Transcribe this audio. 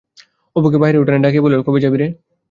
অপুকে বাহিরের উঠানে ডাকিয়া বলিল, কবে যাবি রে?